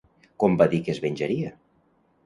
Com va dir que es venjaria?